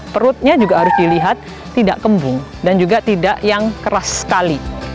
perutnya juga harus dilihat tidak kembung dan juga tidak yang keras sekali